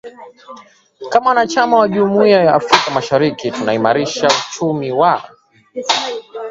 kama mwanachama wa jumuia ya Afrika mashariki kutaimarisha uchumi wa